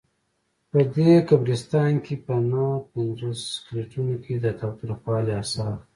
په دې قبرستان کې په نههپنځوس سکلیټونو کې د تاوتریخوالي آثار وو.